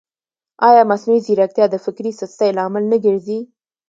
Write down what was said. ایا مصنوعي ځیرکتیا د فکري سستۍ لامل نه ګرځي؟